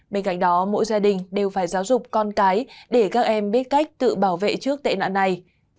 bên cạnh đó mỗi gia đình đều phải giáo dục con cái để các em biết cách tự bảo vệ trước tệ nạn này